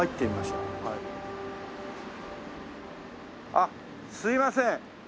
あっすいません。